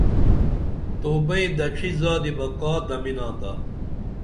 تو بئیں دڇِھی زادی بہ کا دمِناتا